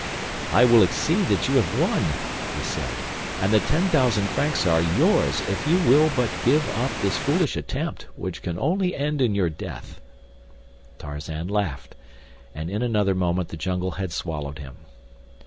"I will accede that you have won," he said, "and the ten thousand francs are yours if you will but give up this foolish attempt, which can only end in your death." Tarzan laughed, and in another moment the jungle had swallowed him.